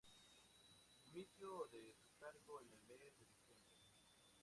Dimitió de su cargo en el mes de diciembre.